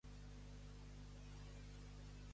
Com va morir el gran?